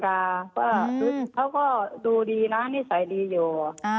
แต่กับเขาก็ดูดีนะนิสัยดีอยู่